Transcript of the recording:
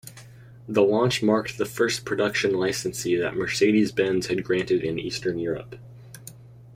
The launch marked the first production licensee that Mercedes-Benz had granted in eastern Europe.